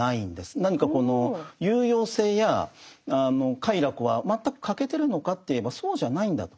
何かこの有用性や快楽は全く欠けてるのかといえばそうじゃないんだと。